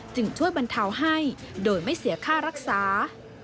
จึงช่วยบรรเทาให้โดยไม่เสียค่ารักษา